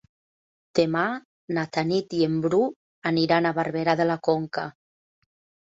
Demà na Tanit i en Bru aniran a Barberà de la Conca.